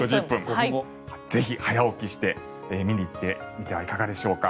ぜひ早起きして見に行ってみてはいかがでしょうか。